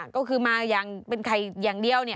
ก็คือมาอย่างเป็นไข่อย่างเดียว